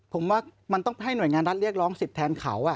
ผมว่ามันต้องให้หน่วยงานรัฐเรียกร้องสิทธิ์แทนเขา